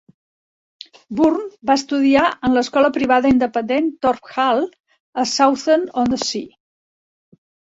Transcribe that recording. Bourne va estudiar en l'escola privada independent Thorpe Hall a Southend-On-Sea.